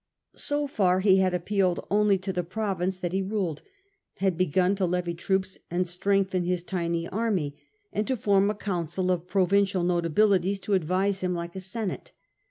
So far he had appealed only to the province that he ruled, had begun to levy troops and strengthen his tiny army, and to form a council of provincial notabilities to advise him like a senate.